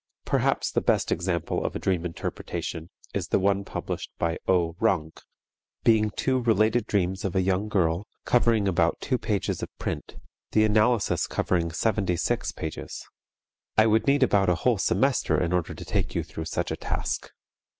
Perhaps the best example of a dream interpretation is the one published by O. Rank, being two related dreams of a young girl, covering about two pages of print, the analysis covering seventy six pages. I would need about a whole semester in order to take you through such a task.